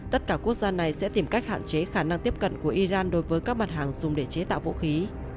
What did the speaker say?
tất cả quốc gia này sẽ tìm cách hạn chế khả năng tiếp cận của iran đối với các mặt hàng dùng để chế tạo vũ khí